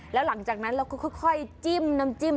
แล้วหลังจากนั้นเราก็ค่อยจิ้มน้ำจิ้ม